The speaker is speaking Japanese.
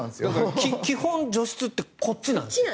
基本、除湿ってこっちなんです。